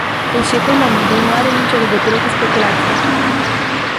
Eșecul monedei nu are nicio legătură cu speculația.